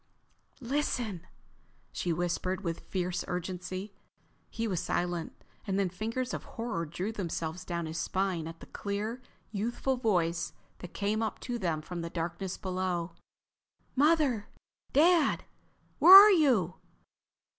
"Listen!" she whispered with fierce urgency. He was silent. And then fingers of horror drew themselves down his spine at the clear, youthful voice that came up to them from the darkness below. "Mother?... Dad?... Where are you?"